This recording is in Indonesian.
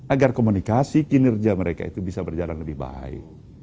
agar komunikasi kinerja mereka itu bisa berjalan lebih baik